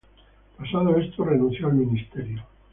Pasado esto renunció al ministerio.